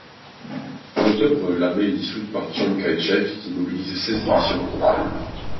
En octobre, l'armée est dissoute par Tchang Kaï-chek qui mobilise seize divisions contre elle.